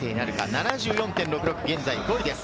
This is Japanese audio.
７４．６６で現在５位です。